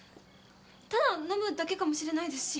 ただ飲むだけかもしれないですし。